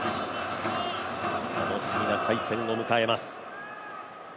楽しみな対戦を迎えます。